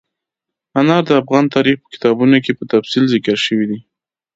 انار د افغان تاریخ په کتابونو کې په تفصیل ذکر شوي دي.